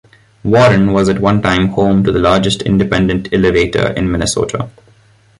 Warren was at one time home to the largest independent elevator in Minnesota.